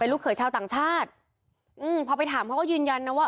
ลูกเขยชาวต่างชาติอืมพอไปถามเขาก็ยืนยันนะว่า